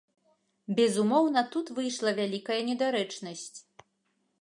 Безумоўна, тут выйшла вялікая недарэчнасць.